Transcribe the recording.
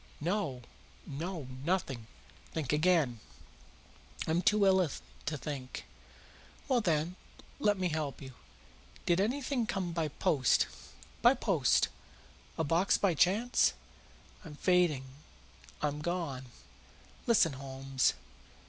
"No, no; nothing." "Think again." "I'm too ill to think." "Well, then, I'll help you. Did anything come by post?" "By post?" "A box by chance?" "I'm fainting I'm gone!" "Listen, Holmes!"